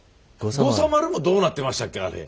護佐丸もどうなってましたっけあれ。